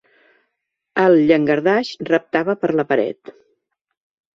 El llangardaix reptava per la paret.